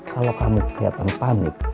kalau kamu kelihatan panik